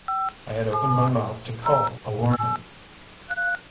I had opened my mouth to call a warning.